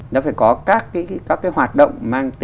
nó phải có các cái hoạt động